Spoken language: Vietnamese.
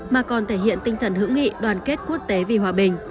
mà còn thể hiện tinh thần hữu nghị đoàn kết quốc tế vì hòa bình